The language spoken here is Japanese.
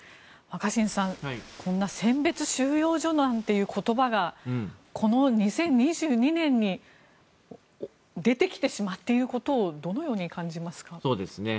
若新さん選別収容所なんていう言葉がこの２０２２年に出てきてしまうということをどのように感じますか。